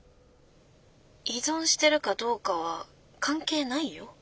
依存してるかどうかは関係ないよ。